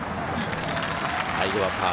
最後はパー。